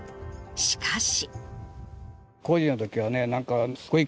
しかし。